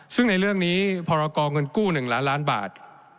ซึ่งในเรื่องนี้พรกรเงินกู้๑ล้านล้านบาท